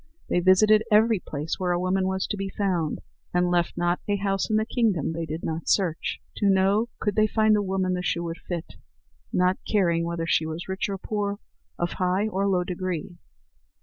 They visited every place where a woman was to be found, and left not a house in the kingdom they did not search, to know could they find the woman the shoe would fit, not caring whether she was rich or poor, of high or low degree.